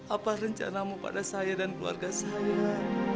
apa rencanamu pada saya dan keluarga saya